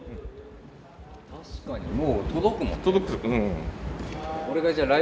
確かにもう届くもん。